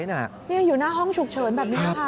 นี่อยู่หน้าห้องฉุกเฉินแบบนี้ค่ะ